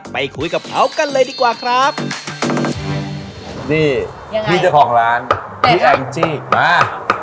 ไปคุยกับเขากันเลยดีกว่าครับนี่ยังไงพี่เจ้าของร้านพี่แองจี้มา